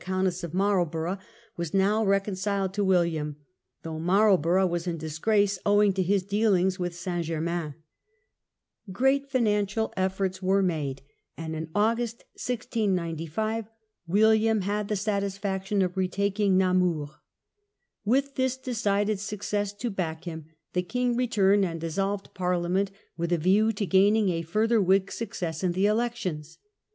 109 Countess of Marlborough, was now reconciled to Wil liam; though Marlborough was in disgrace owing to his dealings with St. Germains. Great financial vigoro^s efforts were made, and in August, 1695, poficy at home William had the satisfaction of retaking Na *""'''°*'* mur. With this decided success to back him the king returned and dissolved Parliament, with a view to gaining a further Whig success in the elections.